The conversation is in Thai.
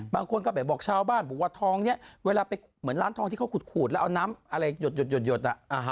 บางคนก็ไปบอกชาวบ้านบอกว่าทองนี้เวลาไปเหมือนร้านทองที่เขาขูดแล้วเอาน้ำอะไรหยด